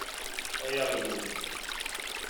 Ay aɣyul!